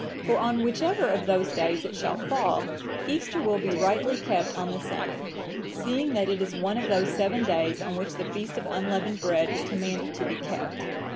For on whichever of those days it shall fall, Easter will be rightly kept on the same; seeing that it is one of those seven days on which the feast of unleavened bread is commanded to be kept.